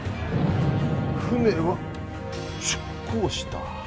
船は出港した。